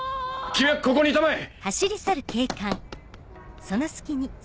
・君はここにいたまえ！